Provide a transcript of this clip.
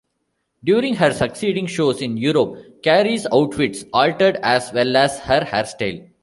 During her succeeding shows in Europe, Carey's outfits altered as well as her hairstyle.